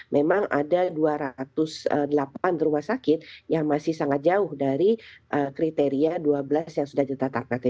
memang ada dua ratus delapan rumah sakit yang masih sangat jauh dari kriteria dua belas yang sudah ditetapkan